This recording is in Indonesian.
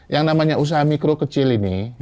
yang namanya usaha mikro kecil ini